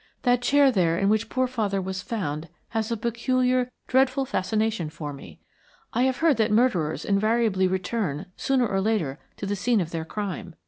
That chair there in which poor father was found has a peculiar, dreadful fascination for me. I have heard that murderers invariably return sooner or later to the scene of their crime.